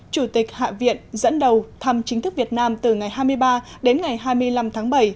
chủ tịch hạ viện dẫn đầu thăm chính thức việt nam từ ngày hai mươi ba đến ngày hai mươi năm tháng bảy